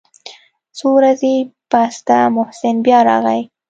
څو ورځې پس ته محسن بيا راغى.